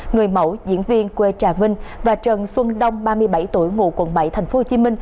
người mẫu diễn viên quê trà vinh và trần xuân đông ba mươi bảy tuổi ngụ quận bảy tp hcm